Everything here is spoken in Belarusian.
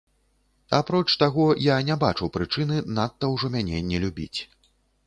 Апроч таго, я не бачу прычыны надта ўжо мяне не любіць.